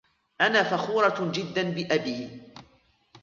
أنا فخورة جدا بأبي.